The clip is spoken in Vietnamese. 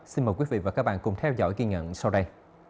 xin mời quý vị và các bạn cùng theo dõi ghi nhận sau đây